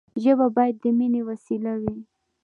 ژبه باید د ميني وسیله وي.